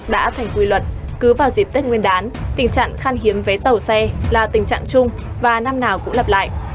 đã thành quy luật cứ vào dịp tết nguyên đán tình trạng khan hiếm vé tàu xe là tình trạng chung và năm nào cũng lặp lại